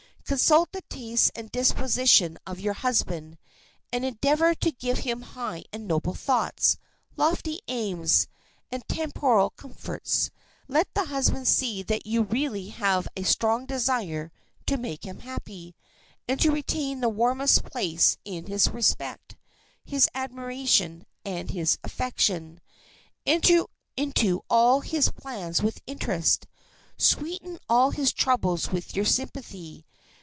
Consult the tastes and disposition of your husband, and endeavor to give him high and noble thoughts, lofty aims, and temporal comforts. Let the husband see that you really have a strong desire to make him happy, and to retain the warmest place in his respect, his admiration, and his affection. Enter into all his plans with interest. Sweeten all his troubles with your sympathy.